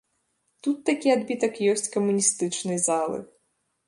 Тут такі адбітак ёсць камуністычнай залы.